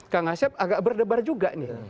kang asep agak berdebar juga nih